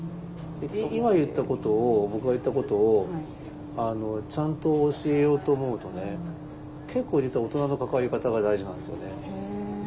今言ったことを僕が言ったことをちゃんと教えようと思うとね結構実は大人の関わり方が大事なんですよね。